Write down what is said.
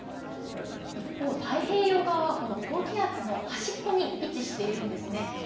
一方、太平洋側はこの高気圧の端っこに位置しているんですね。